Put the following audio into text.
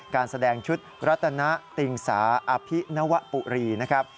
การแสดงชุดรัตนติงสาอภินวปุรีนะครับ